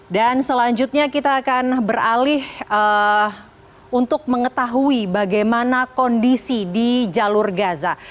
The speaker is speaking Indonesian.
dan selanjutnya kita akan beralih untuk mengetahui bagaimana kondisi di jalur gaza